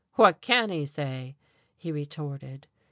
"What can he say?" he retorted.